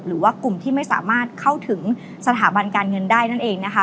หรือว่ากลุ่มที่ไม่สามารถเข้าถึงสถาบันการเงินได้นั่นเองนะคะ